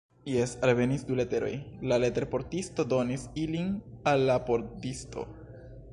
Jes, alvenis du leteroj, la leterportisto donis ilin al la pordisto.